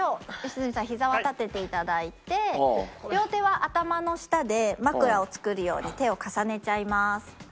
良純さん膝は立てて頂いて両手は頭の下で枕を作るように手を重ねちゃいます。